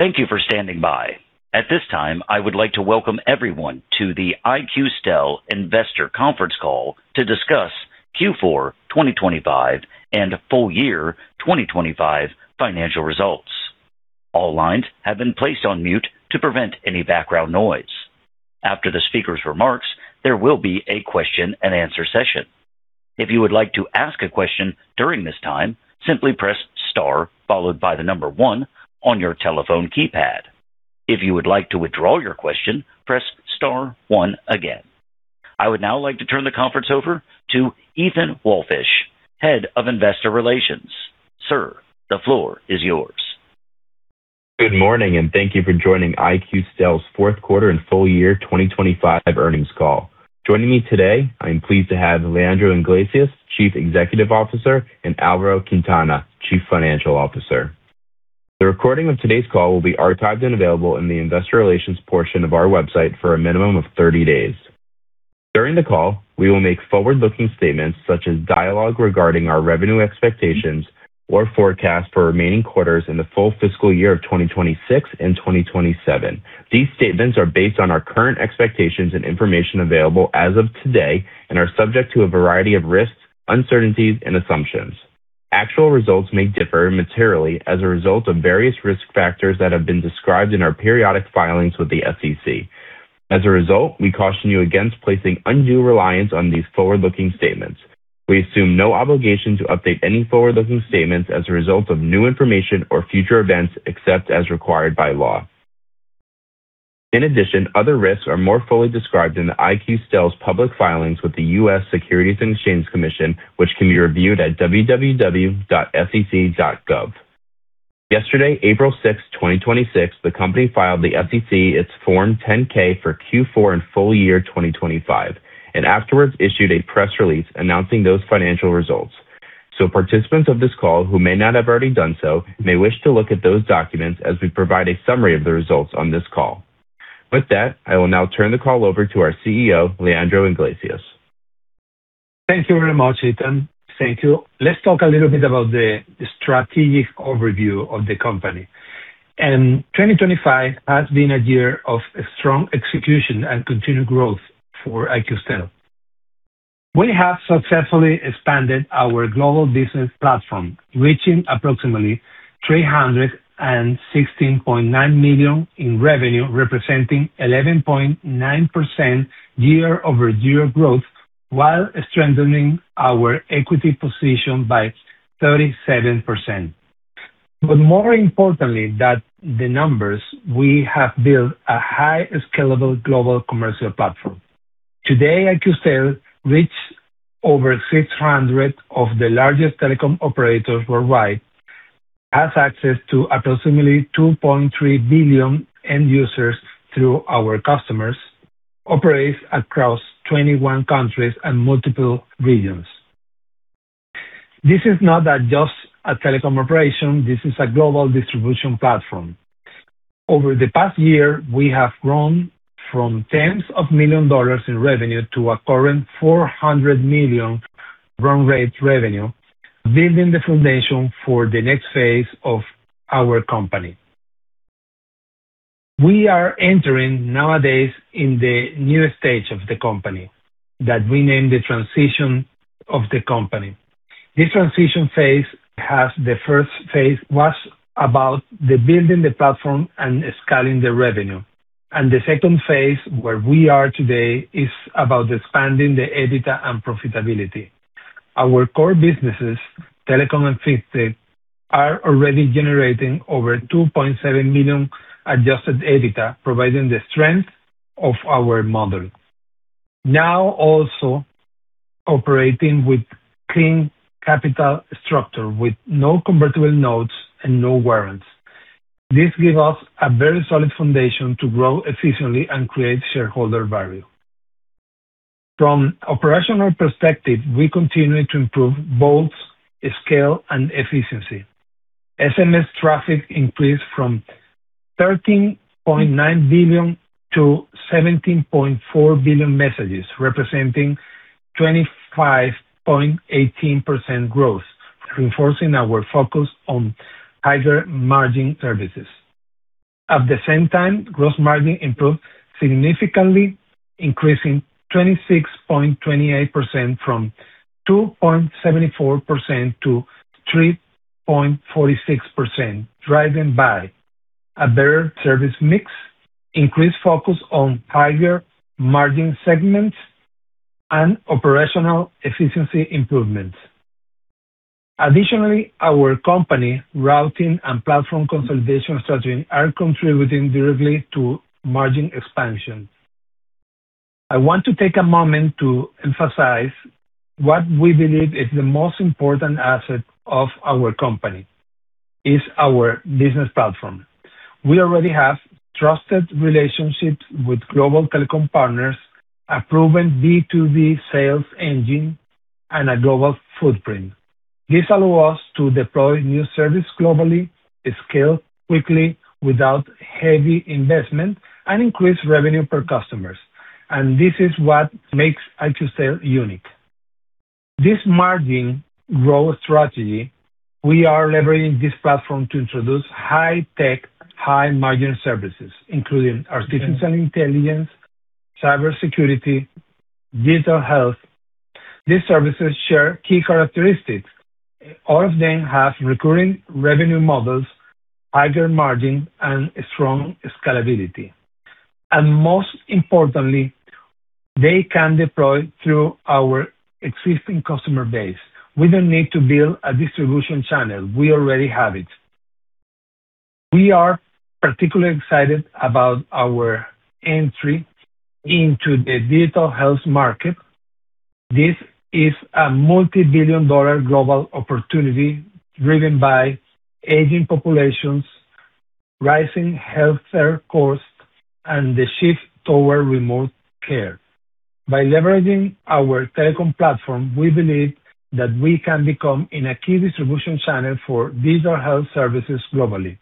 Thank you for standing by. At this time, I would like to welcome everyone to the IQSTEL Investor Conference Call to discuss Q4 2025 and full year 2025 financial results. All lines have been placed on mute to prevent any background noise. After the speaker's remarks, there will be a question and answer session. If you would like to ask a question during this time, simply press star followed by one on your telephone keypad. If you would like to withdraw your question, press star one again. I would now like to turn the conference over to Ethan Walfish, Head of Investor Relations. Sir, the floor is yours. Good morning and thank you for joining IQSTEL's fourth quarter and full year 2025 earnings call. Joining me today, I am pleased to have Leandro Iglesias, Chief Executive Officer, and Alvaro Quintana, Chief Financial Officer. The recording of today's call will be archived and available in the investor relations portion of our website for a minimum of 30 days. During the call, we will make forward-looking statements such as dialogue regarding our revenue expectations or forecast for remaining quarters in the full fiscal year of 2026 and 2027. These statements are based on our current expectations and information available as of today and are subject to a variety of risks, uncertainties, and assumptions. Actual results may differ materially as a result of various risk factors that have been described in our periodic filings with the SEC. As a result, we caution you against placing undue reliance on these forward-looking statements. We assume no obligation to update any forward-looking statements as a result of new information or future events, except as required by law. In addition, other risks are more fully described in the IQSTEL's public filings with the U.S. Securities and Exchange Commission, which can be reviewed at www.sec.gov. Yesterday, April 6th, 2026, the company filed with the SEC its Form 10-K for Q4 and full year 2025, and afterwards issued a press release announcing those financial results. Participants of this call who may not have already done so may wish to look at those documents as we provide a summary of the results on this call. With that, I will now turn the call over to our CEO, Leandro Iglesias. Thank you very much, Ethan. Thank you. Let's talk a little bit about the strategic overview of the company. 2025 has been a year of strong execution and continued growth for IQSTEL. We have successfully expanded our global business platform, reaching approximately $316.9 million in revenue, representing 11.9% year-over-year growth while strengthening our equity position by 37%. More importantly than the numbers, we have built a highly scalable global commercial platform. Today, IQSTEL reaches over 600 of the largest telecom operators worldwide, has access to approximately 2.3 billion end users through our customers, operates across 21 countries and multiple regions. This is not just a telecom operation, this is a global distribution platform. Over the past year, we have grown from tens of millions of dollars in revenue to a current $400 million run rate revenue, building the foundation for the next phase of our company. We are entering nowadays in the new stage of the company that we named the transition of the company. This transition phase. The first phase was about building the platform and scaling the revenue. The second phase, where we are today, is about expanding the EBITDA and profitability. Our core businesses, telecom and FinTech, are already generating over $2.7 million adjusted EBITDA, providing the strength of our model. Now also operating with clean capital structure, with no convertible notes and no warrants. This give us a very solid foundation to grow efficiently and create shareholder value. From an operational perspective, we continue to improve both scale and efficiency. SMS traffic increased from 13.9 billion-17.4 billion messages, representing 25.18% growth, reinforcing our focus on higher margin services. At the same time, gross margin improved significantly, increasing 26.28% from 2.74%- 3.46%, driven by a better service mix, increased focus on higher margin segments, and operational efficiency improvements. Additionally, our company routing and platform consolidation strategy are contributing directly to margin expansion. I want to take a moment to emphasize what we believe is the most important asset of our company, is our business platform. We already have trusted relationships with global telecom partners, a proven B2B sales engine, and a global footprint. This allow us to deploy new service globally, scale quickly without heavy investment, and increase revenue per customers. This is what makes IQSTEL unique. This margin growth strategy, we are leveraging this platform to introduce high-tech, high-margin services, including artificial intelligence, cyber security, digital health. These services share key characteristics. All of them have recurring revenue models, higher margin, and strong scalability. Most importantly, they can deploy through our existing customer base. We don't need to build a distribution channel. We already have it. We are particularly excited about our entry into the digital health market. This is a multi-billion dollar global opportunity driven by aging populations, rising healthcare costs, and the shift toward remote care. By leveraging our telecom platform, we believe that we can become a key distribution channel for digital health services globally.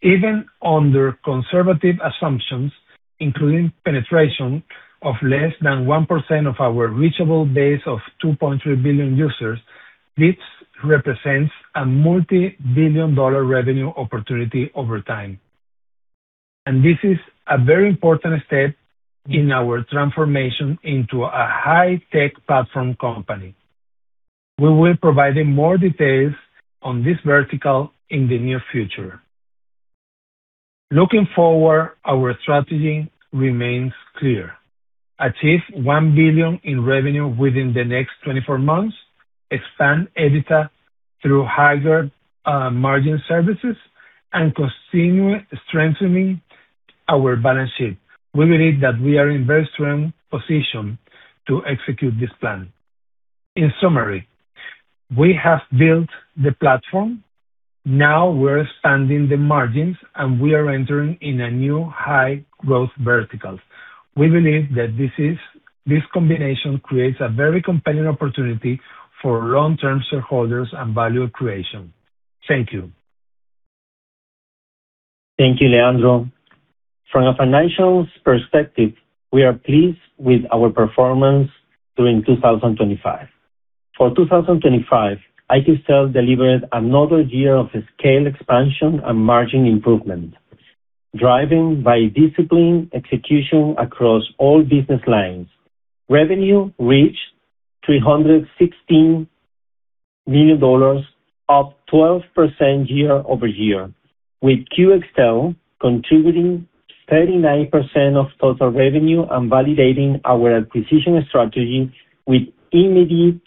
Even under conservative assumptions, including penetration of less than 1% of our reachable base of 2.3 billion users, this represents a multi-billion dollar revenue opportunity over time. This is a very important step in our transformation into a high-tech platform company. We will be providing more details on this vertical in the near future. Looking forward, our strategy remains clear. Achieve $1 billion in revenue within the next 24 months, expand EBITDA through higher margin services, and continue strengthening our balance sheet. We believe that we are in very strong position to execute this plan. In summary, we have built the platform, now we're expanding the margins, and we are entering in a new high-growth vertical. We believe that this combination creates a very compelling opportunity for long-term shareholders and value creation. Thank you. Thank you, Leandro. From a financials perspective, we are pleased with our performance during 2025. For 2025, IQSTEL delivered another year of scale expansion and margin improvement, driven by disciplined execution across all business lines. Revenue reached $316 million, up 12% year-over-year, with QXTEL contributing 39% of total revenue and validating our acquisition strategy with immediate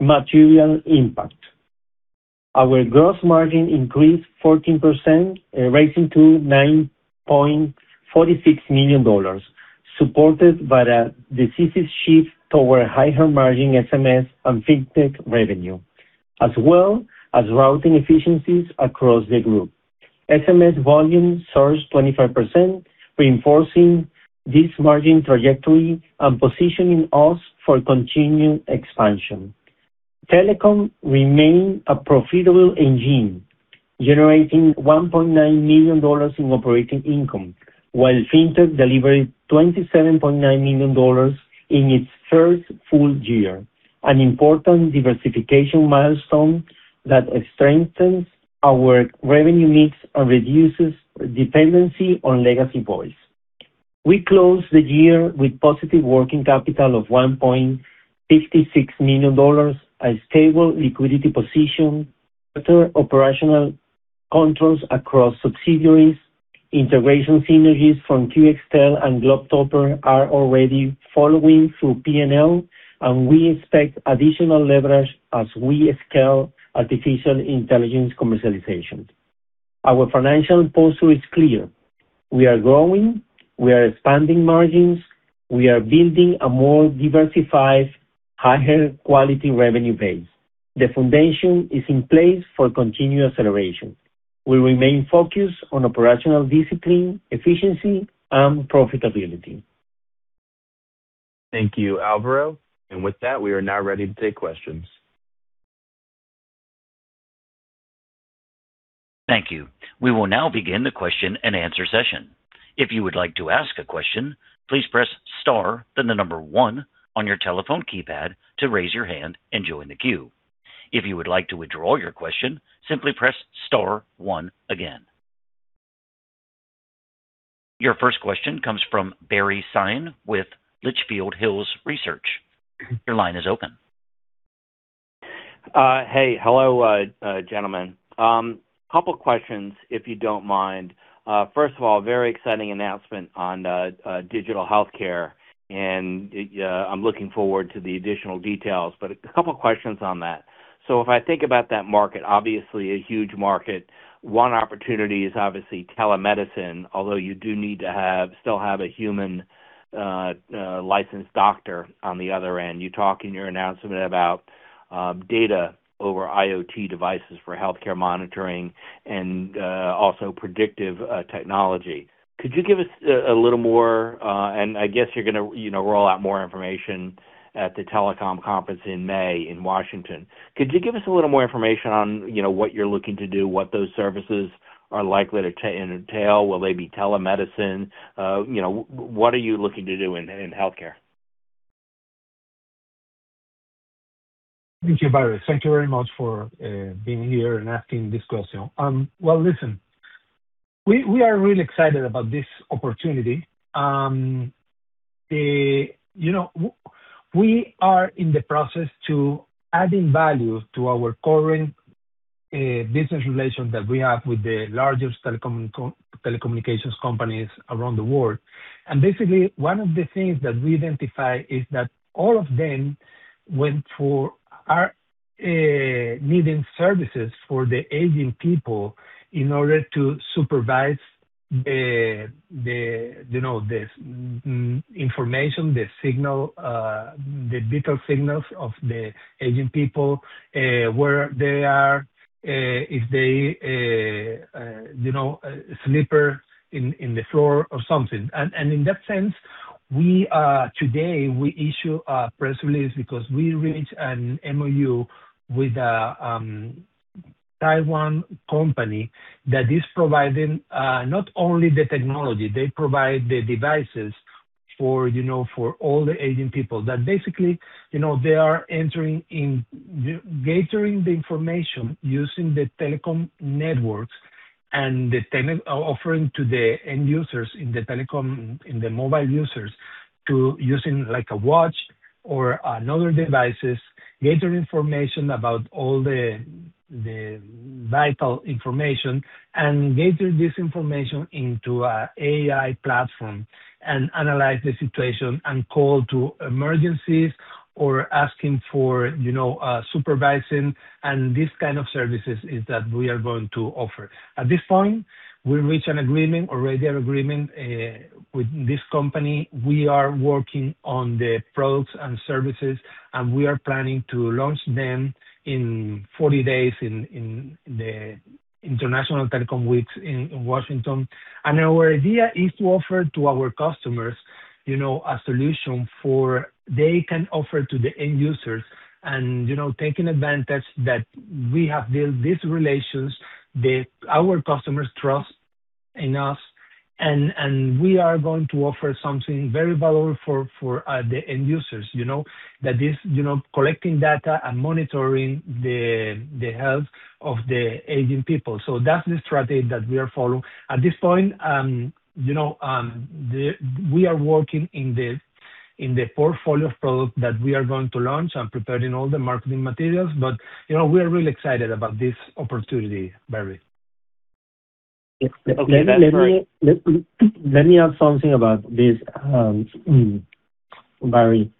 material impact. Our gross margin increased 14%, rising to $9.46 million, supported by a decisive shift toward higher-margin SMS and Fintech revenue, as well as routing efficiencies across the group. SMS volume surged 25%, reinforcing this margin trajectory and positioning us for continued expansion. Telecom remained a profitable engine, generating $1.9 million in operating income, while Fintech delivered $27.9 million in its first full year, an important diversification milestone that strengthens our revenue mix and reduces dependency on legacy voice. We closed the year with positive working capital of $1.56 million, a stable liquidity position, better operational controls across subsidiaries. Integration synergies from QXTEL and GlobeTopper are already following through P&L, and we expect additional leverage as we scale artificial intelligence commercialization. Our financial posture is clear. We are growing. We are expanding margins. We are building a more diversified, higher-quality revenue base. The foundation is in place for continued acceleration. We remain focused on operational discipline, efficiency, and profitability. Thank you, Alvaro. With that, we are now ready to take questions. Thank you. We will now begin the question and answer session. If you would like to ask a question, please press star then the number one on your telephone keypad to raise your hand and join the queue. If you would like to withdraw your question, simply press star one again. Your first question comes from Barry Sine with Litchfield Hills Research. Your line is open. Hey. Hello, gentlemen. Couple questions, if you don't mind. First of all, very exciting announcement on digital healthcare, and I'm looking forward to the additional details, but a couple questions on that. If I think about that market, obviously a huge market. One opportunity is obviously telemedicine, although you do need to still have a human licensed doctor on the other end. You talk in your announcement about data over IoT devices for healthcare monitoring and also predictive technology. Could you give us a little more, and I guess you're going to roll out more information at the telecom conference in May in Washington. Could you give us a little more information on what you're looking to do, what those services are likely to entail? Will they be telemedicine? What are you looking to do in healthcare? Thank you, Barry. Thank you very much for being here and asking this question. Well, listen, we are really excited about this opportunity. We are in the process of adding value to our current business relations that we have with the largest telecommunications companies around the world. Basically, one of the things that we identify is that all of them want or are needing services for the aging people in order to supervise the information, the signal, the vital signals of the aging people, where they are, if they sleep on the floor or something. In that sense, today, we issue a press release because we reached an MOU with a Taiwan company that is providing not only the technology, they provide the devices for all the aging people. That basically, they are entering in, gathering the information using the telecom networks and offering to the end users in the telecom, in the mobile users, to using like a watch or other devices, gather information about all the vital information and gather this information into an AI platform and analyze the situation and call to emergencies or asking for supervising and this kind of services is that we are going to offer. At this point, we reach an agreement, a prior agreement, with this company. We are working on the products and services, and we are planning to launch them in 40 days in the International Telecoms Week in Washington. Our idea is to offer to our customers, a solution for they can offer to the end users and, taking advantage that we have built these relations, that our customers trust in us, and we are going to offer something very valuable for the end users. That is collecting data and monitoring the health of the aging people. That's the strategy that we are following. At this point, we are working in the portfolio of products that we are going to launch and preparing all the marketing materials. We are really excited about this opportunity, Barry. Okay, that's very. Let me add something about this, Barry.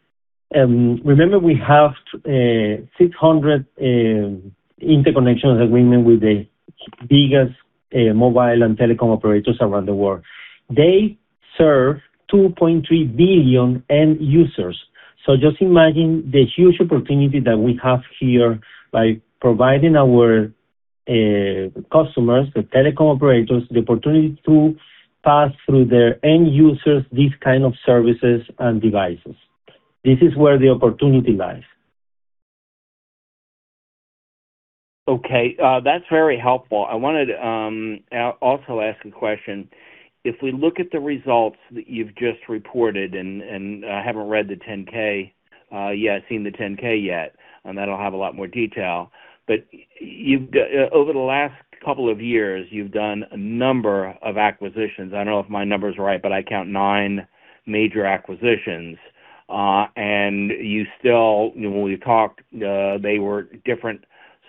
Remember we have 600 interconnection agreement with the biggest mobile and telecom operators around the world. They serve 2.3 billion end users. Just imagine the huge opportunity that we have here by providing our customers, the telecom operators, the opportunity to pass through their end users these kind of services and devices. This is where the opportunity lies. Okay. That's very helpful. I wanted to also ask a question. If we look at the results that you've just reported, and I haven't read the 10-K yet, seen the 10-K yet, and that'll have a lot more detail. Over the last couple of years, you've done a number of acquisitions. I don't know if my number's right, but I count nine major acquisitions. You still, when we talked, they were different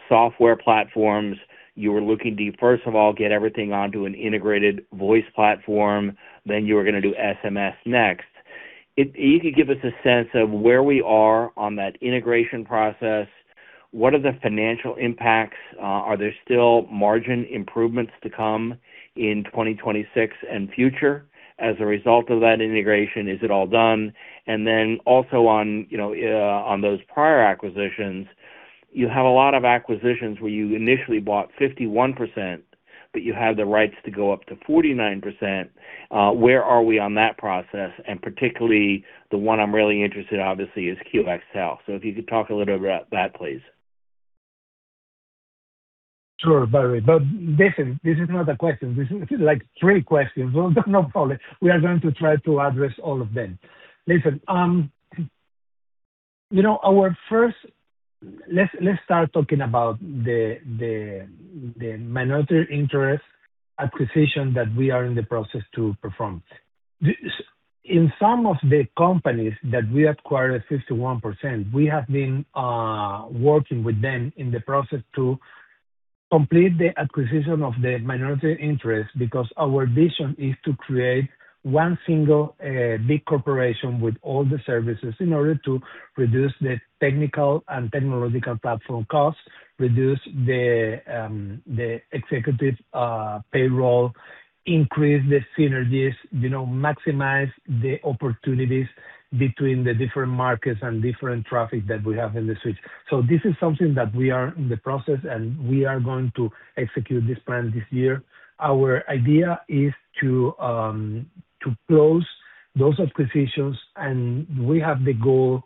software platforms. You were looking to, first of all, get everything onto an integrated voice platform, then you were going to do SMS next. If you could give us a sense of where we are on that integration process, what are the financial impacts? Are there still margin improvements to come in 2026 and future as a result of that integration? Is it all done? Then also on those prior acquisitions, you have a lot of acquisitions where you initially bought 51%, but you have the rights to go up to 49%. Where are we on that process? Particularly, the one I'm really interested obviously is QXTEL. If you could talk a little about that, please. Sure, Barry. Listen, this is not a question. This is like three questions. No problem. We are going to try to address all of them. Listen, let's start talking about the minority interest acquisition that we are in the process to perform. In some of the companies that we acquired at 51%, we have been working with them in the process to complete the acquisition of the minority interest because our vision is to create one single, big corporation with all the services in order to reduce the technical and technological platform costs, reduce the executive payroll, increase the synergies, maximize the opportunities between the different markets and different traffic that we have in the switch. This is something that we are in the process, and we are going to execute this plan this year. Our idea is to close those acquisitions, and we have the goal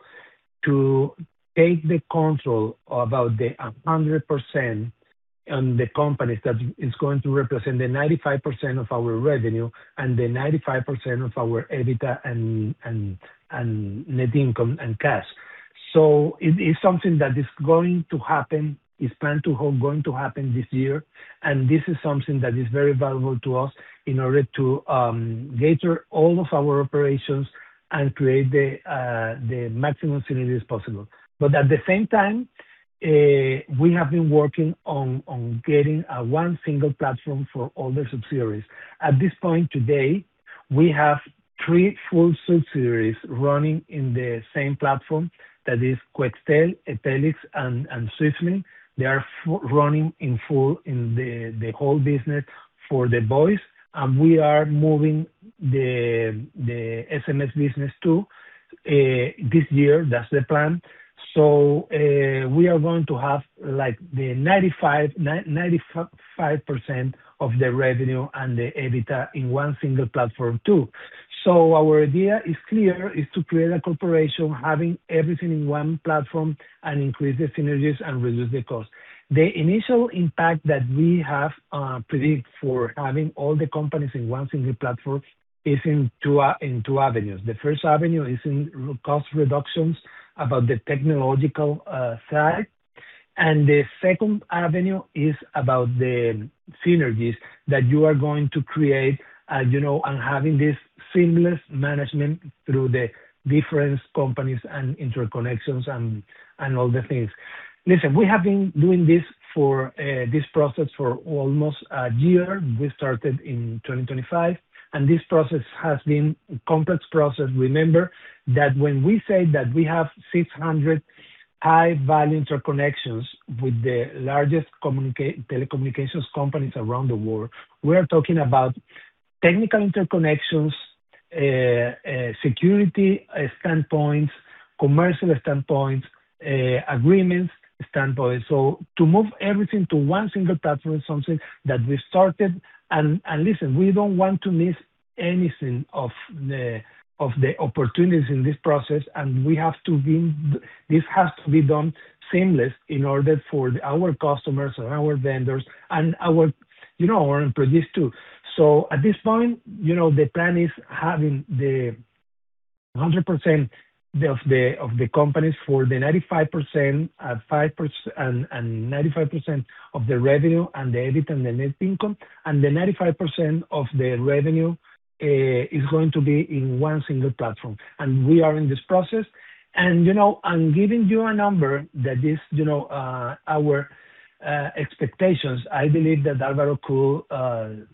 to take control of the 100% of the companies that are going to represent the 95% of our revenue and the 95% of our EBITDA and net income and cash. It is something that is going to happen, planned to happen this year, and this is something that is very valuable to us in order to gather all of our operations and create the maximum synergies possible. At the same time, we have been working on getting one single platform for all the subsidiaries. At this point today, we have three full subsidiaries running in the same platform, that is QXTEL, Etelix, and SwissLink. They are running in full in the whole business for the voice, and we are moving the SMS business to this year. That's the plan. We are going to have the 95% of the revenue and the EBITDA in one single platform too. Our idea is clear, is to create a corporation having everything in one platform and increase the synergies and reduce the cost. The initial impact that we have predicted for having all the companies in one single platform is in two avenues. The first avenue is in cost reductions about the technological side. The second avenue is about the synergies that you are going to create, and having this seamless management through the different companies and interconnections and all the things. Listen, we have been doing this process for almost a year. We started in 2025, and this process has been a complex process. Remember that when we say that we have 600 high-value interconnections with the largest telecommunications companies around the world, we are talking about technical interconnections, security standpoints, commercial standpoints, agreements standpoint. To move everything to one single platform is something that we started, and listen, we don't want to miss anything of the opportunities in this process, and this has to be done seamless in order for our customers and our vendors and our employees too. At this point, the plan is having the 100% of the companies for the 95% and 95% of the revenue and the EBITDA and the net income, and the 95% of the revenue is going to be in one single platform. We are in this process. Giving you a number that is our expectation, I believe that Alvaro could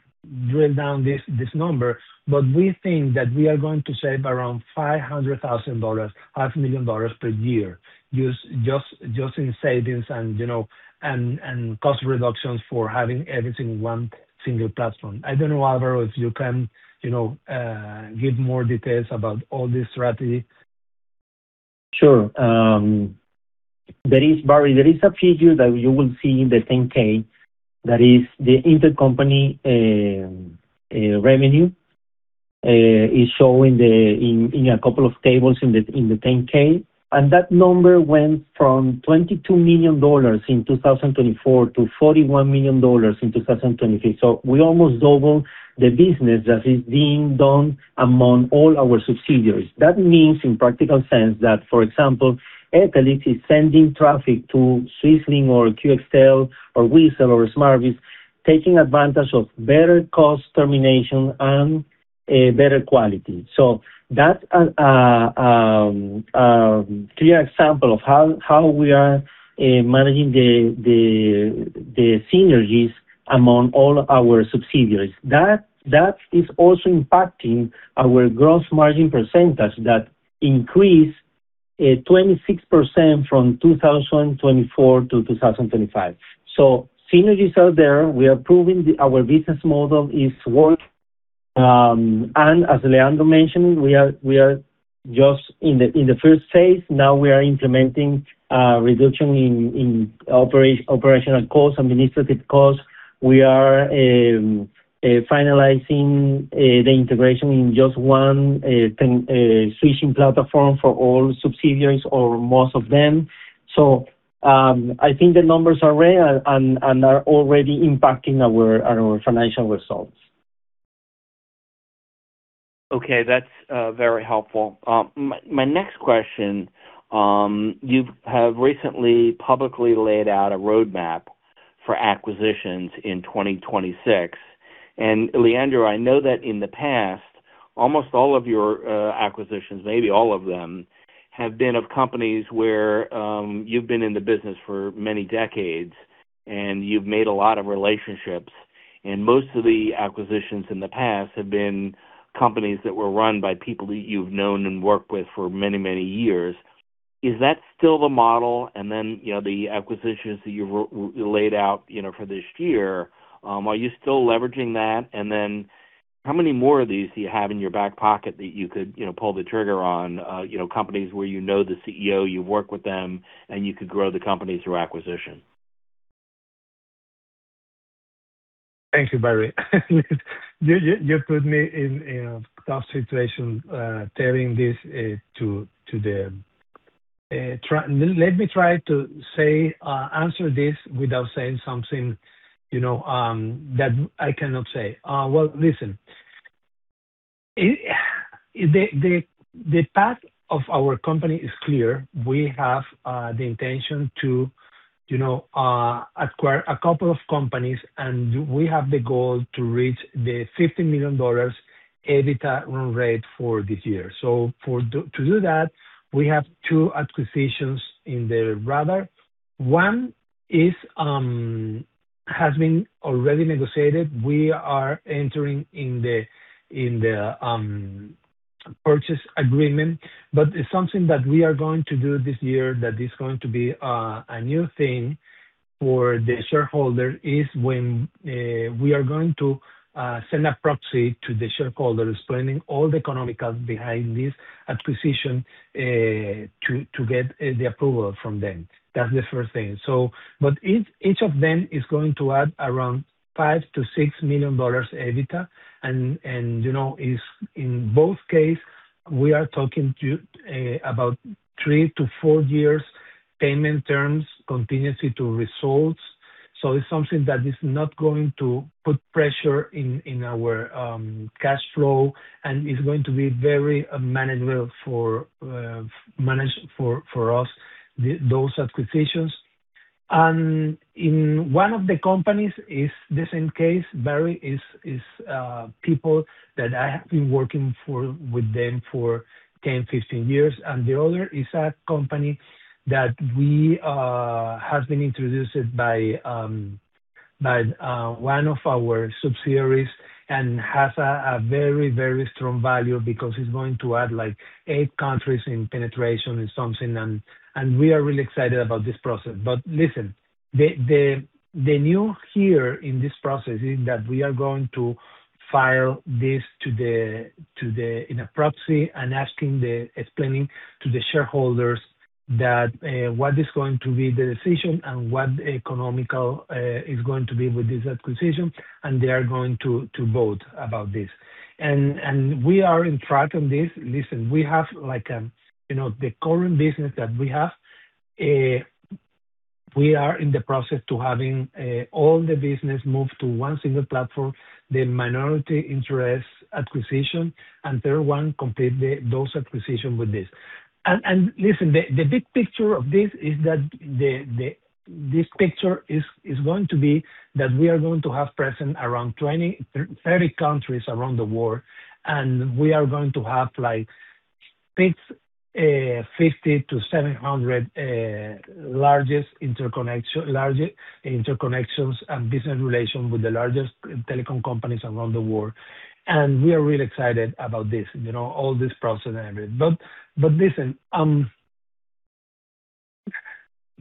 drill down this number, but we think that we are going to save around $500,000, half a million dollars per year, just in savings and cost reductions for having everything in one single platform. I don't know, Alvaro, if you can give more details about all this strategy. Sure. Barry, there is a figure that you will see in the 10-K that is the intercompany revenue, is shown in a couple of tables in the 10-K. That number went from $22 million in 2024 to $41 million in 2023. We almost double the business that is being done among all our subsidiaries. That means in practical sense that, for example, Etelix is sending traffic to SwissLink or QXTEL or Whisl or Smartbiz, taking advantage of better cost termination and better quality. That's a clear example of how we are managing the synergies among all our subsidiaries. That is also impacting our gross margin percentage, that increased 26% from 2024-2025. Synergies are there. We are proving our business model is working. As Leandro mentioned, we are just in the first phase. Now we are implementing a reduction in operational cost, administrative cost. We are finalizing the integration in just one switching platform for all subsidiaries or most of them. I think the numbers are real and are already impacting our financial results. Okay. That's very helpful. My next question, you have recently publicly laid out a roadmap for acquisitions in 2026. Leandro, I know that in the past, almost all of your acquisitions, maybe all of them, have been of companies where you've been in the business for many decades, and you've made a lot of relationships. Most of the acquisitions in the past have been companies that were run by people that you've known and worked with for many years. Is that still the model? Then the acquisitions that you've laid out for this year, are you still leveraging that? Then how many more of these do you have in your back pocket that you could pull the trigger on? Companies where you know the CEO, you work with them, and you could grow the company through acquisition. Thank you, Barry. You put me in a tough situation, telling this to them. Let me try to answer this without saying something that I cannot say. Well, listen. The path of our company is clear. We have the intention to acquire a couple of companies, and we have the goal to reach the $50 million EBITDA run rate for this year. To do that, we have two acquisitions on the radar. One has been already negotiated. We are entering into the purchase agreement. Something that we are going to do this year that is going to be a new thing for the shareholder is when we are going to send a proxy to the shareholders, explaining all the economics behind this acquisition, to get the approval from them. That's the first thing. Each of them is going to add around $5-$6 million EBITDA. In both cases, we are talking about three-four years payment terms contingent on results. It's something that is not going to put pressure on our cash flow, and it's going to be very manageable for us, those acquisitions. In one of the companies, in this case, Barry, are people that I have been working with them for 10, 15 years, and the other is a company that has been introduced by one of our subsidiaries and has a very strong value because it's going to add eight countries in penetration and something, and we are really excited about this process. Listen, the new here in this process is that we are going to file this in a proxy and explaining to the shareholders that what is going to be the decision and what economic is going to be with this acquisition, and they are going to vote about this. We are on track on this. Listen, the current business that we have, we are in the process of having all the business moved to one single platform, the minority interest acquisition, and third one, complete those acquisition with this. Listen, the big picture of this is that this picture is going to be that we are going to have presence around 30 countries around the world, and we are going to have 50-700 largest interconnections and business relations with the largest telecom companies around the world. We are really excited about this, all this process and everything. Listen.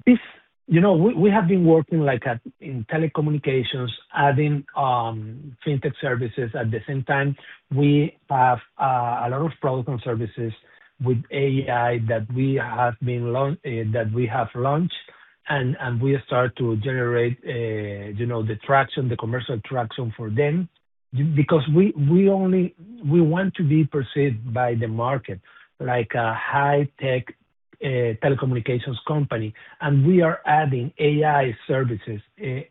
We have been working in telecommunications, adding FinTech services at the same time. We have a lot of products and services with AI that we have launched, and we start to generate the traction, the commercial traction for them, because we want to be perceived by the market like a high-tech telecommunications company. We are adding AI services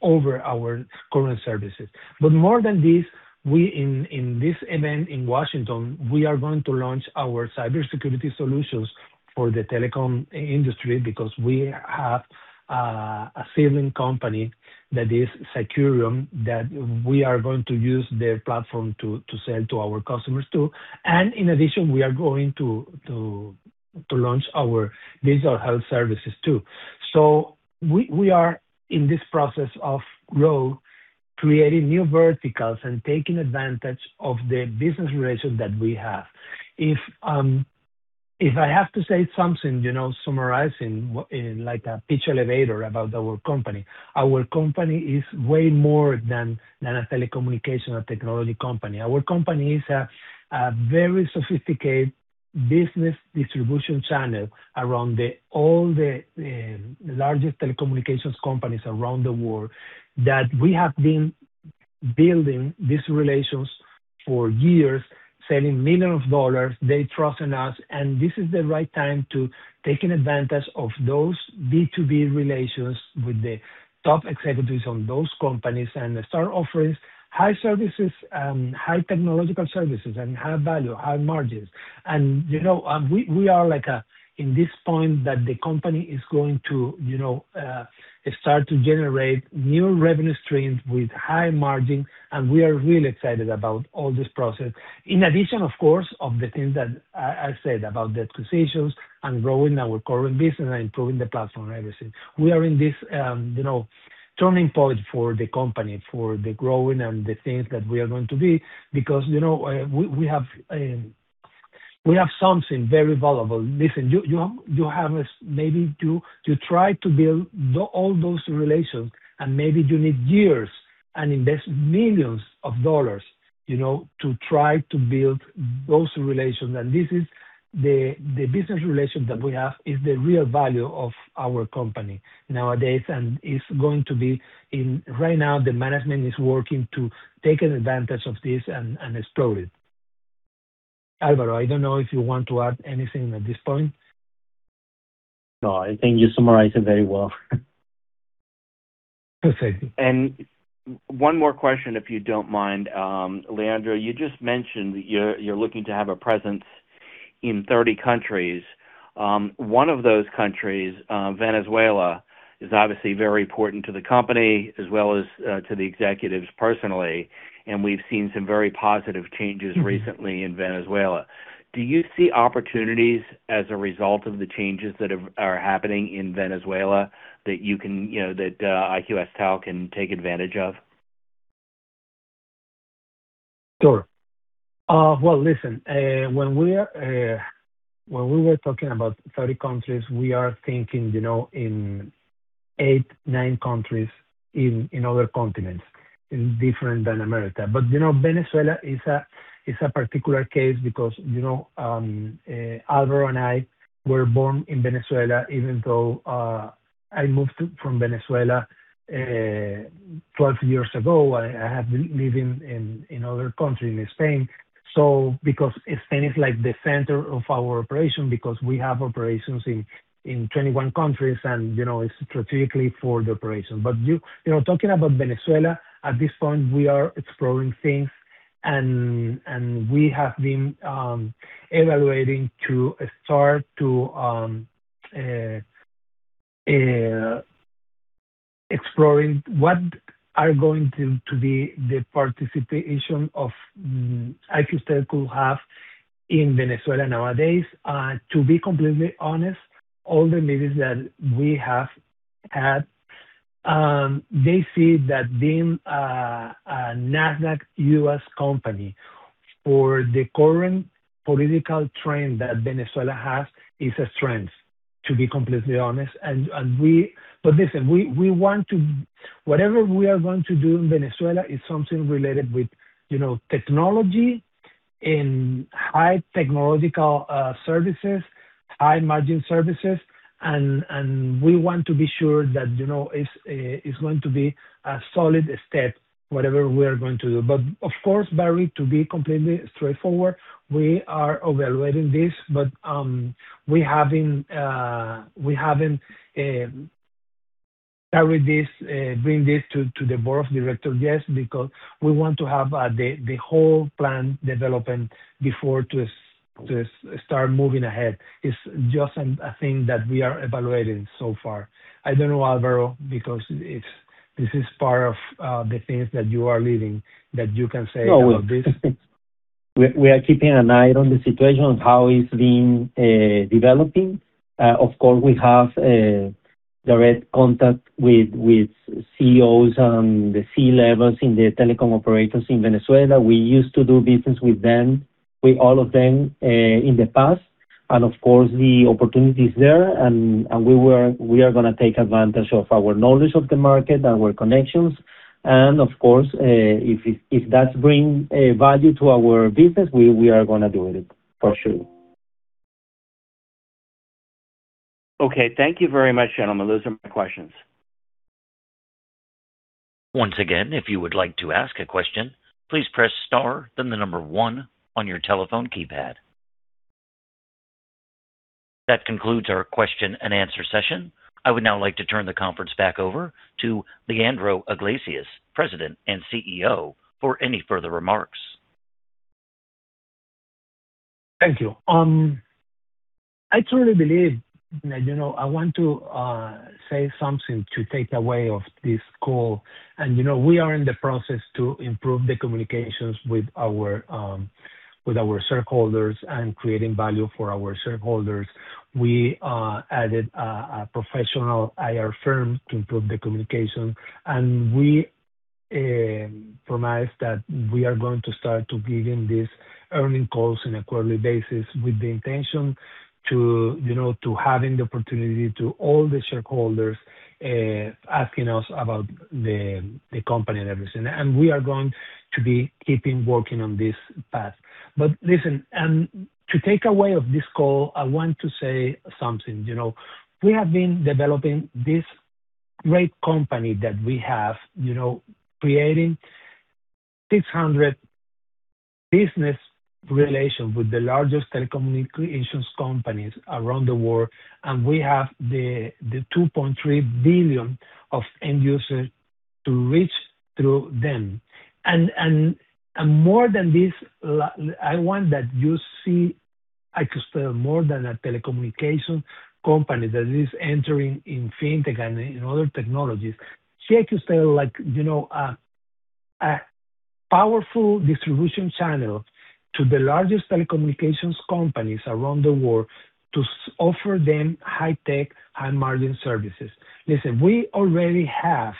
over our current services. More than this, in this event in Washington, we are going to launch our cybersecurity solutions for the telecom industry because we have a sibling company that is Cycurion, that we are going to use their platform to sell to our customers too. In addition, we are going to launch our digital health services too. We are in this process of growth, creating new verticals, and taking advantage of the business relations that we have. If I have to say something summarizing, in an elevator pitch, about our company, our company is way more than a telecommunication or technology company. Our company is a very sophisticated business distribution channel around all the largest telecommunications companies around the world that we have been building these relations for years, selling millions of dollars. They trust in us, and this is the right time to taking advantage of those B2B relations with the top executives on those companies and start offering high services, high technological services, and high value, high margins. We are in this point that the company is going to start to generate new revenue streams with high margin, and we are really excited about all this process. In addition, of course, of the things that I said about the acquisitions and growing our current business and improving the platform and everything. We are in this turning point for the company, for the growing and the things that we are going to be because we have something very valuable. Listen, you have maybe to try to build all those relations, and maybe you need years and invest millions of U.S. dollars to try to build those relations, and the business relation that we have is the real value of our company nowadays, and right now, the management is working to take advantage of this and explore it. Alvaro, I don't know if you want to add anything at this point. No, I think you summarized it very well. Perfect. One more question, if you don't mind. Leandro, you just mentioned you're looking to have a presence in 30 countries. One of those countries, Venezuela, is obviously very important to the company, as well as to the executives personally, and we've seen some very positive changes recently in Venezuela. Do you see opportunities as a result of the changes that are happening in Venezuela that IQSTEL can take advantage of? Sure. Well, listen. When we were talking about 30 countries, we are thinking in eight, nine countries in other continents, different than America. Venezuela is a particular case because Alvaro and I were born in Venezuela, even though I moved from Venezuela 12 years ago. I have been living in other country, in Spain. Because Spain is like the center of our operation, because we have operations in 21 countries, and it's strategically for the operation. Talking about Venezuela, at this point, we are exploring things, and we have been evaluating to start to exploring what are going to be the participation of IQSTEL could have in Venezuela nowadays. To be completely honest, all the meetings that we have had, they see that being a NASDAQ U.S. company, for the current political trend that Venezuela has, is a strength, to be completely honest. Listen, whatever we are going to do in Venezuela is something related with technology, in high technological services, high margin services, and we want to be sure that it's going to be a solid step, whatever we are going to do. Of course, Barry, to be completely straightforward, we are evaluating this, but we haven't carried this, bring this to the board of directors yet because we want to have the whole plan development before to start moving ahead. It's just a thing that we are evaluating so far. I don't know, Alvaro, because this is part of the things that you are leading, that you can say about this. We are keeping an eye on the situation of how it's been developing. Of course, we have direct contact with CEOs on the C-levels in the telecom operators in Venezuela. We used to do business with all of them in the past. Of course, the opportunity is there, and we are going to take advantage of our knowledge of the market, our connections, and, of course, if that bring value to our business, we are going to do it, for sure. Okay. Thank you very much, gentlemen. Those are my questions. Once again, if you would like to ask a question, please press star, then the number one on your telephone keypad. That concludes our question and answer session. I would now like to turn the conference back over to Leandro Iglesias, President and CEO, for any further remarks. Thank you. I truly believe I want to say something to takeaway from this call. We are in the process to improve the communications with our shareholders and creating value for our shareholders. We added a professional IR firm to improve the communication, and we promised that we are going to start to giving these earnings calls on a quarterly basis with the intention to having the opportunity to all the shareholders asking us about the company and everything. We are going to be keeping working on this path. Listen, to takeaway from this call, I want to say something. We have been developing this great company that we have, creating 600 business relations with the largest telecommunications companies around the world, and we have the 2.3 billion end users to reach through them. More than this, I want that you see IQSTEL more than a telecommunication company that is entering in FinTech and in other technologies. See IQSTEL like a powerful distribution channel to the largest telecommunications companies around the world to offer them high-tech, high-margin services. Listen, we already have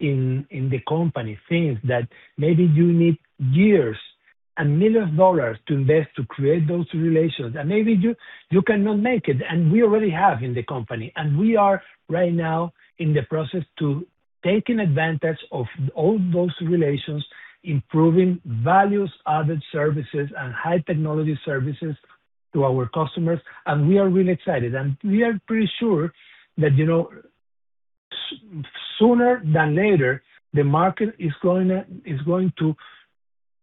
in the company things that maybe you need years and millions of dollars to invest to create those relations. Maybe you cannot make it, and we already have in the company. We are right now in the process to taking advantage of all those relations, improving value-added services, and high technology services to our customers, and we are really excited. We are pretty sure that sooner than later, the market is going to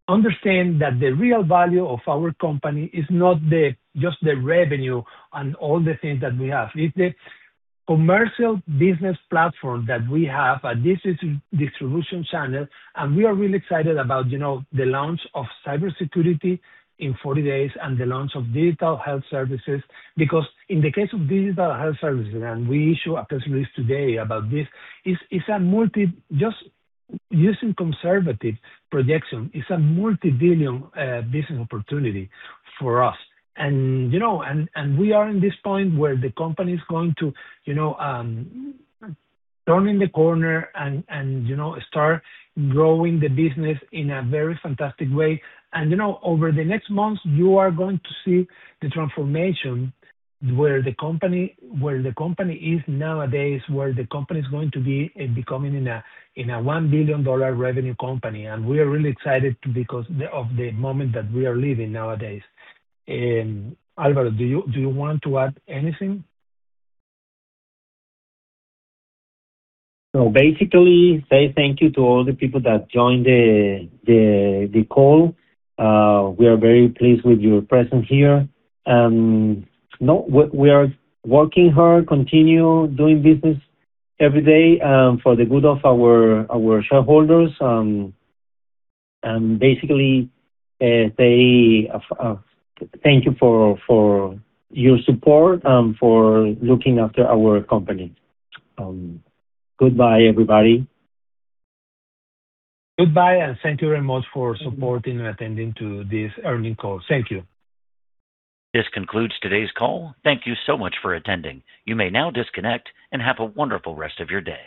understand that the real value of our company is not just the revenue and all the things that we have. It's the commercial business platform that we have, and this is distribution channel, and we are really excited about the launch of cybersecurity in 40 days, and the launch of digital health services. Because in the case of digital health services, and we issue a press release today about this, just using conservative projection, it's a multi-billion business opportunity for us. We are in this point where the company is going to turning the corner and start growing the business in a very fantastic way. Over the next months, you are going to see the transformation, where the company is nowadays, where the company is going to be, and becoming in a $1 billion revenue company. We are really excited because of the moment that we are living nowadays. Alvaro, do you want to add anything? Basically, say thank you to all the people that joined the call. We are very pleased with your presence here. We are working hard, continue doing business every day, for the good of our shareholders. Basically, say thank you for your support, for looking after our company. Goodbye everybody. Goodbye, and thank you very much for supporting and attending to this earnings call. Thank you. This concludes today's call. Thank you so much for attending. You may now disconnect and have a wonderful rest of your day.